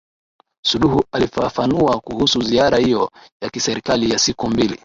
Suluhu alifafanua kuhusu ziara hiyo ya kiserikali ya siku mbili